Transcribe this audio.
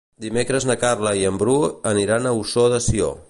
Dimecres na Carla i en Bru aniran a Ossó de Sió.